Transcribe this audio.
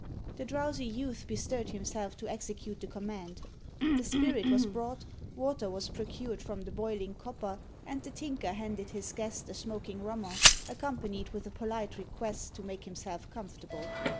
The drowsy youth bestirred himself to execute the command. The spirit was brought; water was procured from the boiling copper; and the Tinker handed his guest a smoking rummer, accompanied with a polite request to make himself comfortable.